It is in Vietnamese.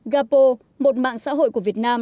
gapo một mạng xã hội của việt nam